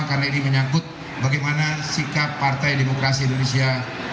karena ini menyakut bagaimana sikap partai demokrasi indonesia